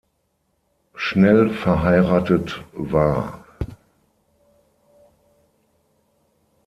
Schnell verheiratet war.